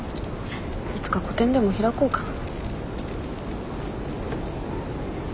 いつか個展でも開こうかな。